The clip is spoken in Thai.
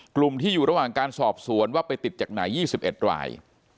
กลุ่มที่อยู่ระหว่างการสอบสวนว่าไปติดจากไหน๒๑ราย